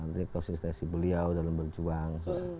bisnesnya beliau dalam berjuang